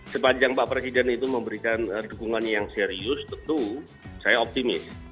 sepanjang pak presiden itu memberikan dukungan yang serius tentu saya optimis